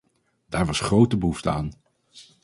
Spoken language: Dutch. Daar was grote behoefte aan.